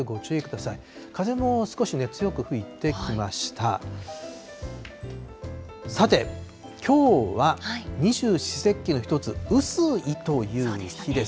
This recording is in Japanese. さて、きょうは、二十四節気の一つ、雨水という日です。